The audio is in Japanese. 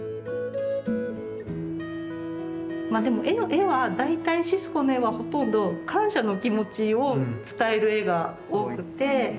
絵は大体シスコの絵はほとんど感謝の気持ちを伝える絵が多くて。